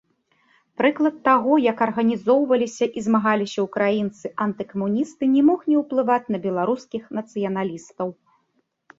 Прыклад таго, як арганізоўваліся і змагаліся ўкраінцы-антыкамуністы, не мог не ўплываць на беларускіх нацыяналістаў.